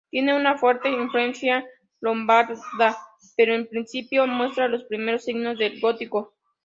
Tiene una fuerte influencia lombarda pero en principio muestra los primeros signos del gótico.